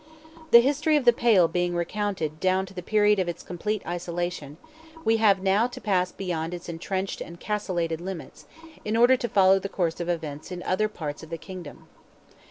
The history of "the Pale" being recounted down to the period of its complete isolation, we have now to pass beyond its entrenched and castellated limits, in order to follow the course of events in other parts of the kingdom.